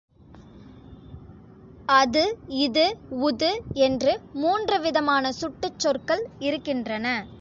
அது, இது, உது என்று மூன்றுவிதமான சுட்டுச் சொற்கள் இருக்கின்றன.